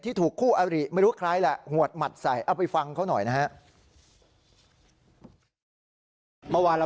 ถูกคู่อริไม่รู้ใครแหละหวดหมัดใส่เอาไปฟังเขาหน่อยนะฮะ